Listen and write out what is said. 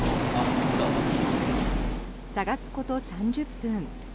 探すこと３０分。